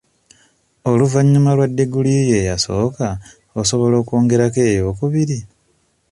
"Oluvannyuma lwa diguli yo esooka, osobola okwongerako ey'okubiri."